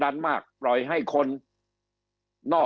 คำอภิปรายของสอสอพักเก้าไกลคนหนึ่ง